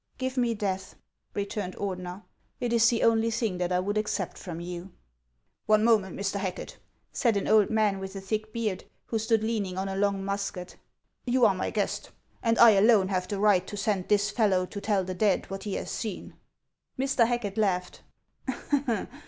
" Give me death," returned Ordeuer ;" it is the only tiling that I would accept from you." " One moment, Mr. Racket," said an old man, with a thick beard, who stood leaning on a long musket. " You are my guests, and I alone have the right to send this fellow to tell the dead what lie has seen." Mr. Racket laughed.